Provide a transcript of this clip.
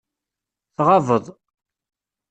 Tɣabeḍ.